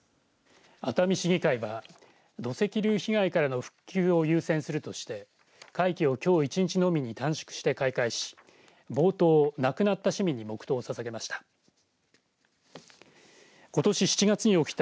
熱海市議会は、土石流被害からの復旧を優先するとして会期をきょう１日のみに短縮して開会し冒頭、亡くなった市民に黙とうをささげました。